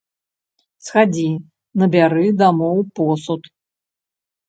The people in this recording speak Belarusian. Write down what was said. Схадзі, набяры дамоў посуд.